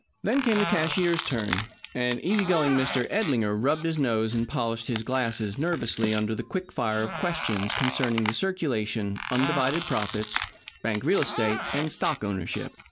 Then came the cashier's turn, and easy going Mr. Edlinger rubbed his nose and polished his glasses nervously under the quick fire of questions concerning the circulation, undivided profits, bank real estate, and stock ownership.